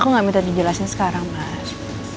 aku nggak minta dijelasin sekarang mas